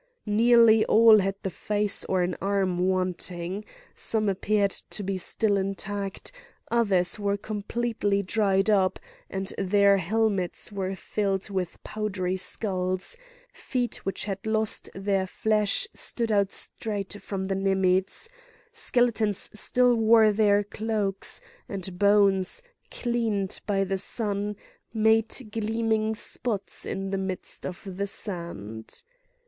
Nearly all had the face or an arm wanting; some appeared to be still intact; others were completely dried up, and their helmets were filled with powdery skulls; feet which had lost their flesh stood out straight from the knemides; skeletons still wore their cloaks; and bones, cleaned by the sun, made gleaming spots in the midst of the sand.